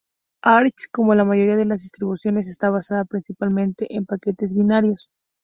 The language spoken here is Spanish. Arch Linux, como la mayoría de las distribuciones, está basada principalmente en paquetes binarios.